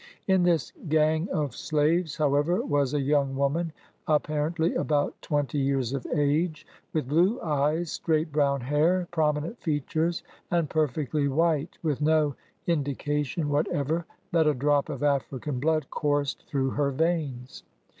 In this gang of slaves, how ever, was a young woman, apparently about twenty years of age, with blue eyes, straight brown hair, prominent features, and perfectly white, with no indi cation whatever that a drop of African blood coursed through her veins.